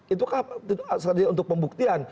itu untuk pembuktian